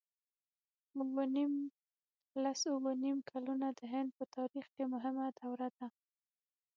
اووه نېم لس اووه نېم کلونه د هند په تاریخ کې مهمه دوره ده.